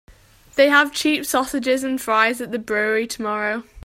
They have cheap sausages and fries at the brewery tomorrow.